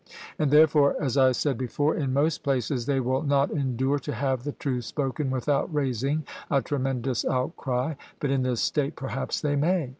And therefore, as I said before, in most places they will not endure to have the truth spoken without raising a tremendous outcry, but in this state perhaps they may.